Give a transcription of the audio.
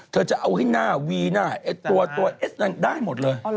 เธอจะเอาให้หน้าวีหน้าไอ้ตัวตัวเอสนั้นได้หมดเลย